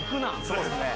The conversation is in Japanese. そうですね。